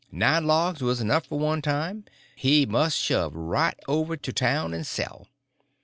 Nine logs was enough for one time; he must shove right over to town and sell.